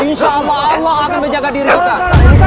insya allah allah akan menjaga diri kita